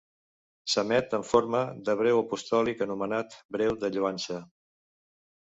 S'emet en forma de breu apostòlic, anomenat breu de lloança.